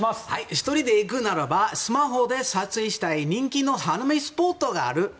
１人で行くならばスマホで撮影したい人気の花見スポットがある。